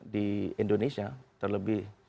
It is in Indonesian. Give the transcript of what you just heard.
di indonesia terlebih